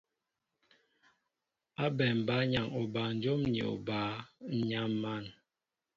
Ábɛm bǎyaŋ obanjóm ni obǎ, ǹ yam̀an !